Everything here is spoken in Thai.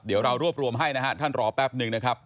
เดี๋ยวเรารวบรวมให้นะฮะท่านรอแป๊บนึงนะครับ